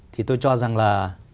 thì tôi cho rằng là